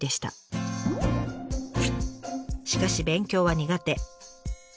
しかし勉強は苦手。